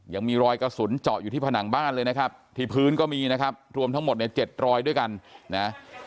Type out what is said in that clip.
ยังมีรอยกระสุนเจาะอยู่ที่ผนังบ้านเลยนะครับที่พื้นก็มีนะครับรวมทั้งหมดเนี่ย๗รอยด้วยกันนะ